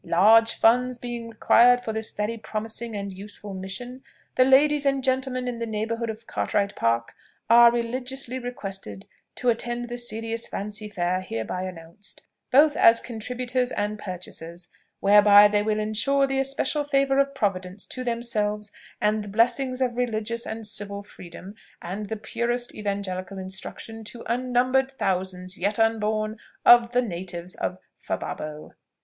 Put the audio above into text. LARGE FUNDS being required for this very promising and useful mission, the ladies and gentlemen in the neighbourhood of Cartwright Park are religiously requested to attend the Serious Fancy Fair hereby announced, both as contributors and purchasers; whereby they will ensure the especial favour of Providence to themselves, and the blessings of religious and civil freedom, and the purest evangelical instruction, to unnumbered THOUSANDS yet unborn of the natives of FABABO.